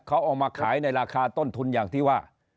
เขาเอามาขายในราคาต้นทุนอย่างที่ว่า